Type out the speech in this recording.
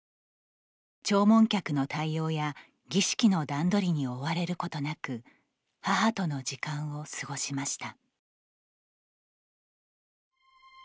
弔問客の対応や儀式の段取りに追われることなく母との時間を過ごしました。